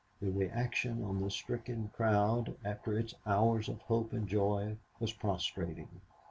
The reaction on the stricken crowd, after its hours of hope and joy, was prostrating.